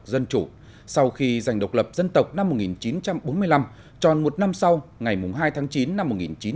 dân chủ sau khi giành độc lập dân tộc năm một nghìn chín trăm bốn mươi năm tròn một năm sau ngày hai tháng chín năm một nghìn chín trăm bốn mươi